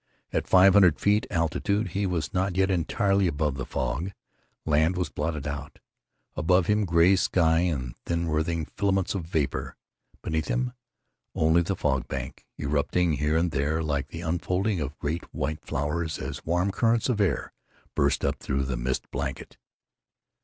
At five hundred feet altitude he was not yet entirely above the fog. Land was blotted out. Above him, gray sky and thin writhing filaments of vapor. Beneath him, only the fog bank, erupting here and there like the unfolding of great white flowers as warm currents of air burst up through the mist blanket.